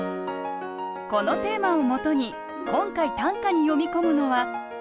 このテーマをもとに今回短歌に詠み込むのは「春の草」。